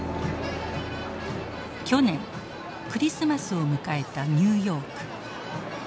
去年クリスマスを迎えたニューヨーク。